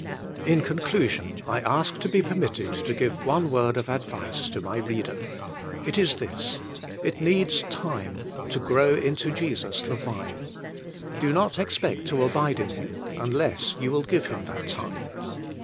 In conclusion, I ask to be permitted to give one word of advice to my reader. It is this. It needs time to grow into Jesus the Vine: do not expect to 8 PREFACE, abide in Him unless you will give Him that time.